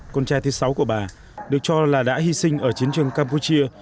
con trai thứ sáu của bà được cho là đã hy sinh ở chiến trường campuchia